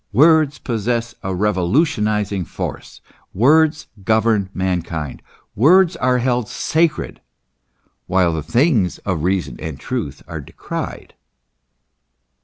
Words possess a revolution izing force ; words govern mankind. Words are held sacred ; while the things of reason and truth are decried.